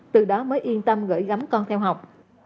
từ đó mới yên tâm gửi gắm con theo học